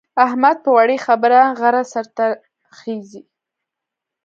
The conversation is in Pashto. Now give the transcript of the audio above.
احمد په وړې خبره غره سر ته خېژي.